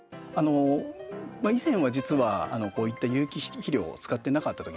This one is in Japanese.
以前は実はこういった有機質肥料を使ってなかったときですね